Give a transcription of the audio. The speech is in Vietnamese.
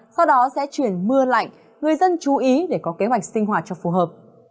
sau đó sẽ chuyển mưa lạnh người dân chú ý để có kế hoạch sinh hoạt cho phù hợp